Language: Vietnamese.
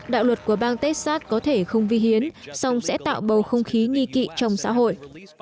đạo luật của bang texas có thể không vi hiến song sẽ tạo bầu không khí nghi kỵ trong xã hội